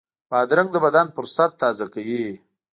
بادرنګ د بدن فُرصت تازه کوي.